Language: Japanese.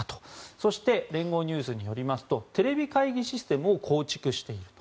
そして連合ニュースによりますとテレビ会議システムを構築していると。